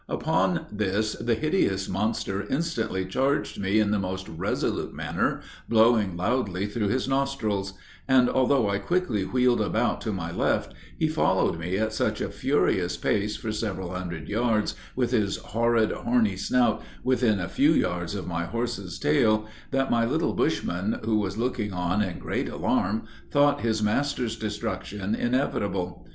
Upon this, the hideous monster instantly charged me in the most resolute manner, blowing loudly through his nostrils; and, although I quickly wheeled about to my left, he followed me at such a furious pace for several hundred yards, with his horrid horny snout within a few yards of my horse's tail, that my little Bushman, who was looking on in great alarm, thought his master's destruction inevitable.